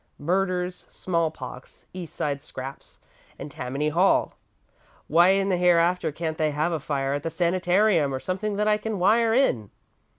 Murders, smallpox, East Side scraps, and Tammany Hall. Why in the hereafter can't they have a fire at the sanitarium, or something that I can wire in?"